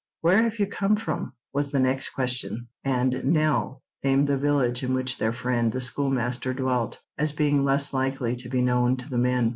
"Where have you come from?" was the next question; and Nell named the village in which their friend the schoolmaster dwelt, as being less likely to be known to the men.